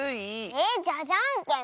えっじゃあじゃんけん！